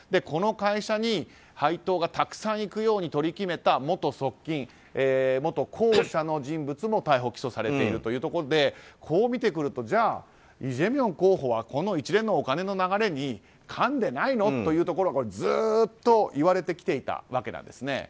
この会社に配当がたくさんいくように取り決めた元側近元公社の人物も逮捕・起訴されているというところでこう見てくるとイ・ジェミョン候補はこの一連のお金の流れにかんでないの？というところはずっと言われてきていたわけです。